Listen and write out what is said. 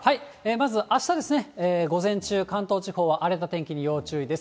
まずあしたですね、午前中、関東地方は荒れた天気に要注意です。